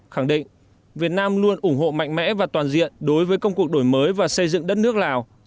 khẳng định việt nam luôn ủng hộ mạnh mẽ và toàn diện đối với công cuộc đổi mới và xây dựng đất nước lào